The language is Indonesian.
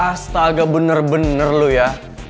astaga bener bener loh ya